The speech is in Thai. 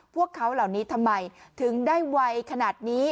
พวกเขาเหล่านี้ทำไมถึงได้ไวขนาดนี้